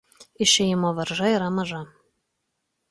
Išėjimo varža yra maža.